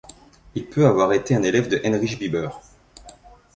Il peut avoir été un élève de Heinrich Biber.